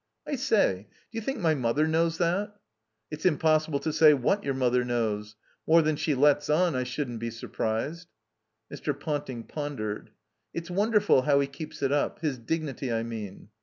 "I say — d'you think my mother knows that?" *'It's impossible to say what your mother knows. More than she lets on, I shoulchi't be surprised." Mr. Ponting pondered. *'It's wonderful how he keeps it up. His dignity, I mean."